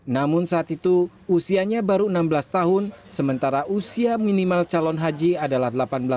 namun saat itu usianya baru enam belas tahun sementara usia minimal calon haji adalah delapan belas tahun